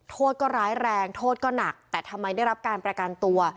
โทษก็ร้ายแรงโทษก็หนักแต่ทำไมได้รับการประกันตัว